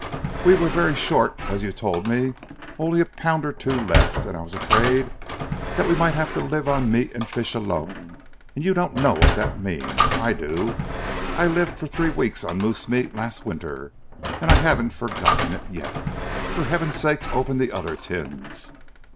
We were very short, as you told me, only a pound or two left, and I was afraid that we might have to live on meat and fish alone, and you don't know what that means. I do! I lived for three weeks on moose meat last winter and I haven't forgotten it yet. For Heaven's sake open the other tins."